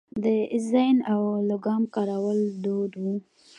د زین او لګام کارول دود و